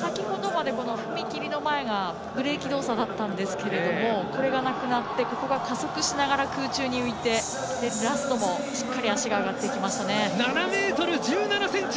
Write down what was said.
先ほどまで踏み切りの前がブレーキ動作だったんですけどこれがなくなってここが加速しながら空中に浮いてラストもしっかり足が７ｍ１７ｃｍ！